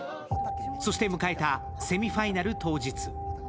そして迎えたセミファイナル当日。